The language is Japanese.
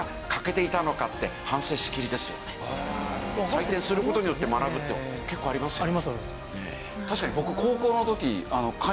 採点する事によって学ぶって結構ありますよね。